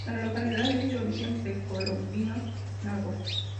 La localidad es de origen precolombino náhua.